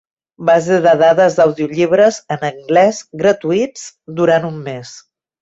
Base de dades d'audiollibres en anglès gratuïts durant un mes.